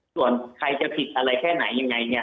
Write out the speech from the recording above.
ส่วนใครจะผิดอะไรแค่ไหนยังไงเนี่ย